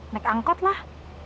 naik angkot lah